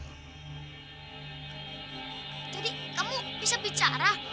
jadi kamu bisa bicara